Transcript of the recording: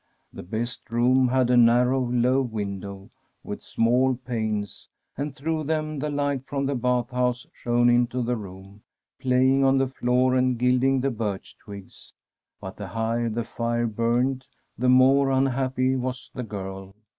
The best room had a narrow, low window, with small panes, and through them the light from the bath house shone into the room, playing on the floor and gilding the birch twigs. But the higher the fire burned the more unhappy was the girl.